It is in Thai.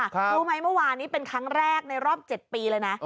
รู้ไหมเมื่อวานนี้เป็นครั้งแรกในรอบ๗ปีเลยนะ